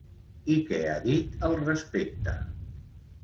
I què ha dit al respecte?